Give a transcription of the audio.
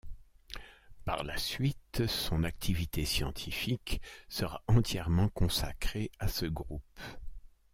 Par la suite, son activité scientifique sera entièrement consacrée à ce groupe.